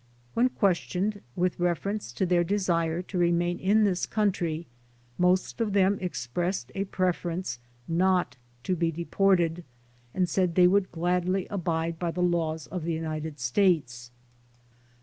When questioned with reference to their desire to remain SUMMARY 95 in this country most of them expressed a preference not to be deported and said they would gladly .abide by the laws of the United States.